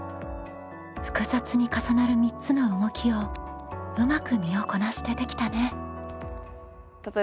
複雑に重なる３つの動きをうまく身をこなしてできたね。